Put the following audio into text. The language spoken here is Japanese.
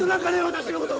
私のこと